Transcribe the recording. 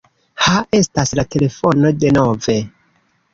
Ha estas la telefono denove.